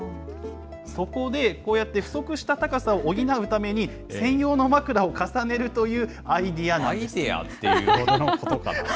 そこで、こうやって不足した高さを補うために、専用の枕を重ねるというアイデアなんです。